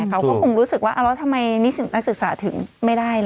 เขาก็คงรู้สึกว่าแล้วทำไมนิสิตนักศึกษาถึงไม่ได้ล่ะ